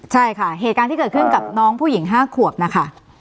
ใช่ค่ะเหตุการณ์ที่เกิดขึ้นกับน้องผู้หญิง๕ขวบนะคะ